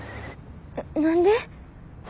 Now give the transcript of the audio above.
何で？